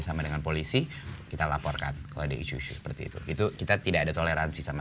sama dengan polisi kita laporkan kalau ada isu isu seperti itu itu kita tidak ada toleransi sama